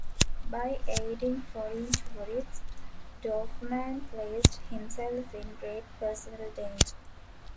By aiding foreign tourists, Dorfman placed himself in great personal danger.